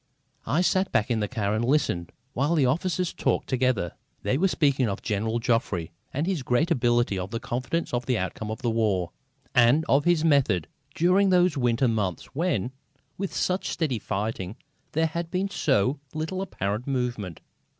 I sat back in the car and listened while the officers talked together. They were speaking of General Joffre, of his great ability, of his confidence in the outcome of the war, and of his method, during those winter months when, with such steady fighting, there had been so little apparent movement.